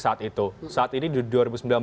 saat itu saat ini di dua ribu sembilan belas